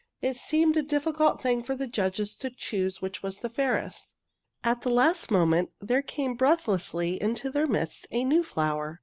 It seemed a difficult thing for the judges to choose which was fairest. At the last moment there came breathlessly into their midst a new flower.